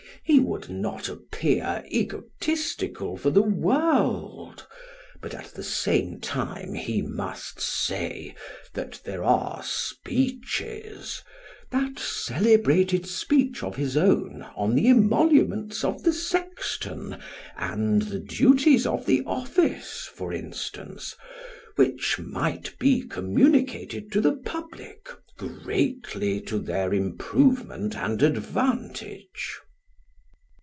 He would not appear egotistical for the world, but at the same time he must say, that there are speeches that celebrated speech of his own, on the emoluments of the sexton, and the duties of the office, for instance which might be communicated to the public, greatly to their improvement and advantage.